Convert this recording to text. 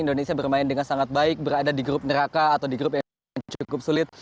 indonesia bermain dengan sangat baik berada di grup neraka atau di grup yang cukup sulit